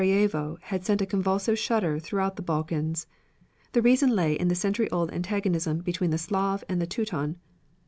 ] The assassination at Sarajevo had sent a convulsive shudder throughout the Balkans. The reason lay in the century old antagonism between the Slav and the Teuton.